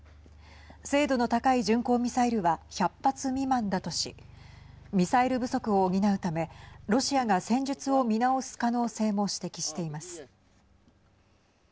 精度の高い巡航ミサイルは１００発未満だとしミサイル不足を補うためロシアが戦術を見直す可能性も指摘しています。